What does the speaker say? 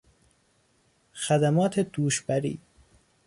خدمات دوش بری